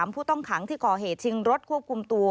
ผู้ต้องขังที่ก่อเหตุชิงรถควบคุมตัว